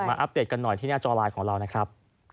อัปเดตกันหน่อยที่หน้าจอไลน์ของเรานะครับ